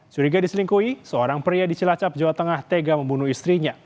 curiga diselingkuhi seorang pria di cilacap jawa tengah tega membunuh istrinya